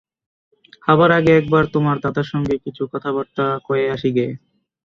খাবার আগে একবার তোমার দাদার সঙ্গে কিছু কথাবার্তা কয়ে আসি গে।